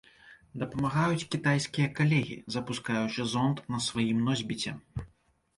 Дапамагаюць кітайскія калегі, запускаючы зонд на сваім носьбіце.